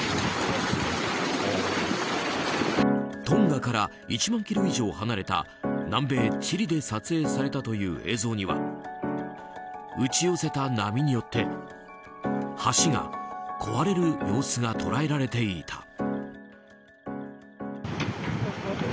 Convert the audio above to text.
トンガから１万ｋｍ以上離れた南米チリで撮影されたという映像には打ち寄せた波によって橋が壊れる様子が捉えられていた。